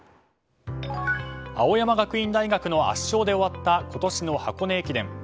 青山学院大学の圧勝で終わった今年の箱根駅伝。